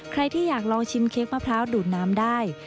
ใครที่อยากลองชิมเค้กมะพร้าวดูดน้ำได้